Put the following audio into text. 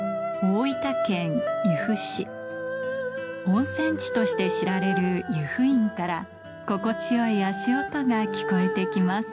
温泉地として知られる由布院から心地よい足音が聞こえて来ます